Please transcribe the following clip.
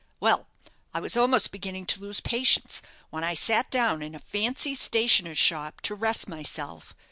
Well, I was almost beginning to lose patience, when I sat down in a fancy stationer's shop to rest myself.